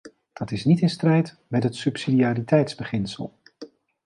Dat is niet in strijd met het subsidiariteitsbeginsel.